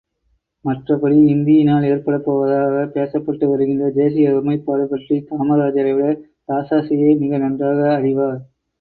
மற்றபடி இந்தியினால் ஏற்படப் போவதாகப் பேசப்பட்டு வருகின்ற தேசிய ஒருமைப்பாடுபற்றிக் காமராசரைவிட இராசாசியே மிக நன்றாக அறிவார்.